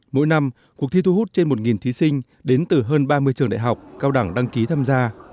mỗi năm cuộc thi thu hút trên một thí sinh đến từ hơn ba mươi trường đại học cao đẳng đăng ký tham gia